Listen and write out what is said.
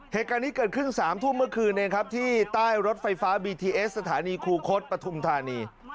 เหตุการณ์นี้เกิดขึ้น๓ทุ่มเมื่อคืนเองครับที่ใต้รถไฟฟ้าบีทีเอสสถานีครูคดปฐุมธานี